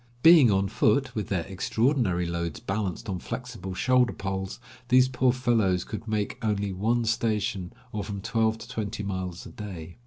Being on foot, with their extraordinary loads balanced on flexible shoulder poles, these poor fellows could make only one station, or from twelve to twenty miles a day.